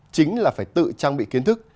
chính là phải tự trang bị kiến thức